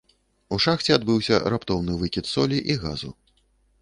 У шахце адбыўся раптоўны выкід солі і газу.